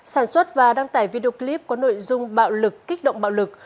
sản xuất và đăng tải video clip có nội dung bạo lực kích động bạo lực